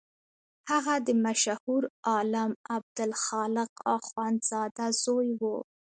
هغه د مشهور عالم عبدالخالق اخوندزاده زوی و.